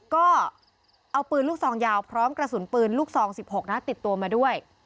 ก็เอาปืนลูกซองยาวพร้อมกระสุนปืนลูกซอง๑๖นะติดตัวมาด้วย